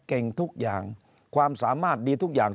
เก่งทุกอย่างความสามารถดีทุกอย่าง